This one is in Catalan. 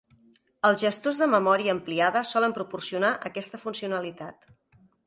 Els gestors de memòria ampliada solen proporcionar aquesta funcionalitat.